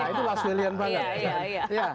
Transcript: itu last willian banget